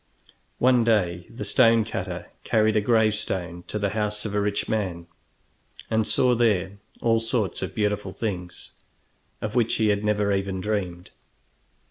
One day the stone cutter carried a gravestone to the house of a rich man, and saw there all sorts of beautiful things, of which he had never even dreamed.